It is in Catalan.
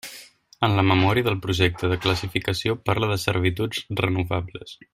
En la memòria del projecte de classificació parla de servituds renovables.